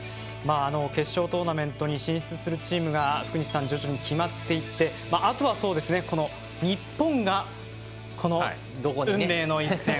決勝トーナメントに進出するチームが徐々に決まっていって日本がどこで、運命の一戦